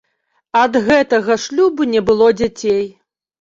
Ад гэтага шлюбу не было дзяцей.